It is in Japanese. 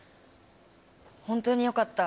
本当によかった。